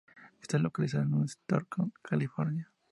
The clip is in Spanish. Está localizada en en Stockton, California.